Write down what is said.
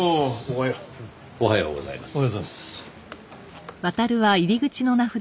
おはようございます。